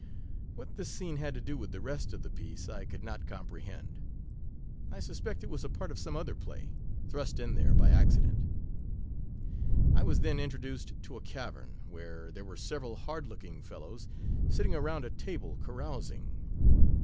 What this scene had to do with the rest of the piece, I could not comprehend ; I suspect it was a part of some other play, thrust in here % accident. I was then introduced to a cavern, where there were several hard looking fellows, sit 10 ting around a table carousing.